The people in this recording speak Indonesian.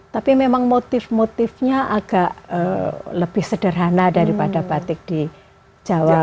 tapi memang motif motifnya agak lebih sederhana daripada batik di jawa